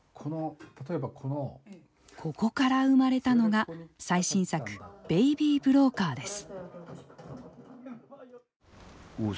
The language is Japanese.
ここから生まれたのが最新作「ベイビー・ブローカー」です。